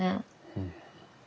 うん。